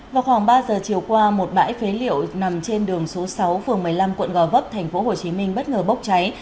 vào khoảng ba giờ chiều qua một bãi phế liệu nằm trên đường số sáu phường một mươi năm quận gò vấp tp hcm bất ngờ bốc cháy